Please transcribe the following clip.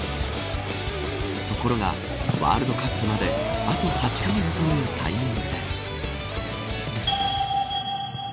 ところが、ワールドカップまであと８カ月というタイミングで。